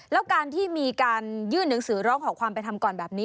แล้วการที่มีการยื่นหนังสือร้องขอความเป็นธรรมก่อนแบบนี้